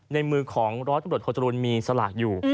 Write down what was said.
ในมือของร้อยตำรวจโทจรูลมีสลากอยู่